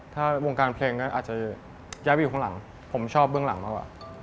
ถ้าวงการเพลงก็อาจจะย้ายไปอยู่ข้างหลังผมชอบเบื้องหลังมากกว่า